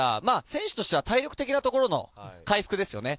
選手としては体力的なところの回復ですよね。